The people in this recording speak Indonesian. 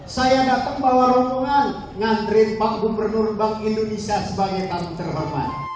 saya datang bawa rombongan ngantri pak gubernur bank indonesia sebagai tamu terhormat